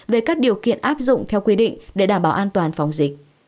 về các điều kiện áp dụng theo quy định để đảm bảo an toàn phòng dịch